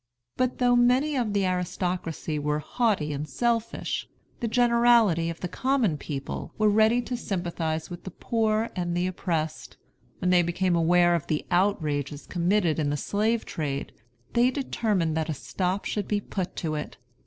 But, though many of the aristocracy were haughty and selfish, the generality of the common people were ready to sympathize with the poor and the oppressed. When they became aware of the outrages committed in the slave trade, they determined that a stop should be put to it.